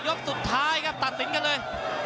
ยกสุดท้ายครับตัดสินกันเลย